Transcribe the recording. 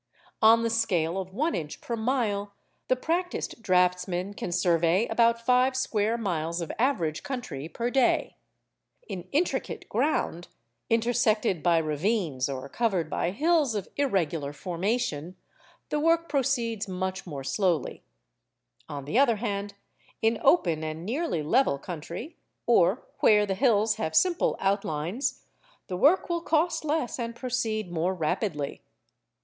On the scale of one inch per mile the practised draughtsman can survey about five square miles of average country per day. In intricate ground, intersected by ravines or covered by hills of irregular formation, the work proceeds much more slowly; on the other hand, in open and nearly level country, or where the hills have simple outlines, the work will cost less and proceed more rapidly.